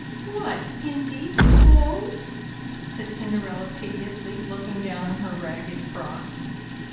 "What, in these clothes?" said Cinderella piteously, looking down on her ragged frock.